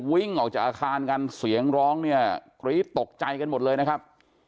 วิ่งออกจากอาคารกันเสียงร้องเนี่ยกรี๊ดตกใจกันหมดเลยนะครับ